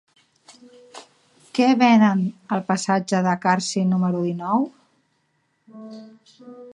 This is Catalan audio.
Què venen al passatge de Carsi número dinou?